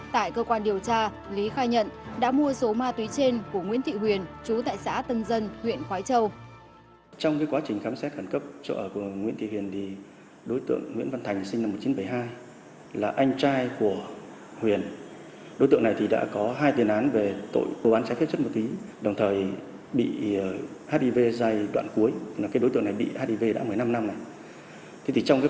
tại cơ quan điều tra lý khai nhận đã mua số ma túy trên của nguyễn thị huyền